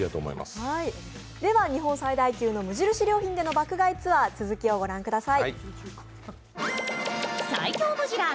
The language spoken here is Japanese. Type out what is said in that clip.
では日本最大級の無印良品での爆買いツアー続きをご覧ください。